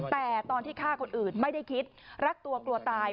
แต่ตอนที่ฆ่าคนอื่นไม่ได้คิดรักตัวกลัวตาย